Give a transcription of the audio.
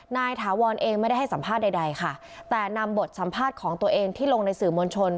ถาวรเองไม่ได้ให้สัมภาษณ์ใดค่ะแต่นำบทสัมภาษณ์ของตัวเองที่ลงในสื่อมวลชน